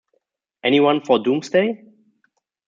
Anyone for Doomsday?